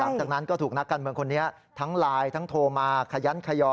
หลังจากนั้นก็ถูกนักการเมืองคนนี้ทั้งไลน์ทั้งโทรมาขยันขยอ